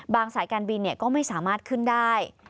บางสายการบินเนี่ยก็ไม่สามารถขึ้นได้